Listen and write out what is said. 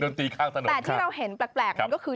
แต่ที่เราเห็นแปลก